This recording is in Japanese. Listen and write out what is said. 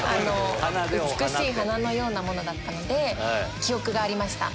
美しい花のようなものだったので記憶がありました。